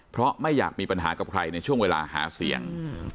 เพราะไม่อยากมีปัญหากับใครในช่วงเวลาหาเสียง